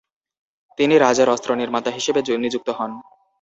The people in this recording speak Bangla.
তিনি রাজার অস্ত্র নির্মাতা হিসেবে নিযুক্ত হন।